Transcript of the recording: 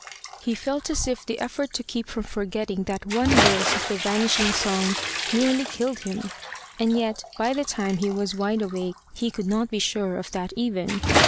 He felt as if the effort to keep from forgetting that one verse of the vanishing song nearly killed him. And yet by the time he was wide awake he could not be sure of that even.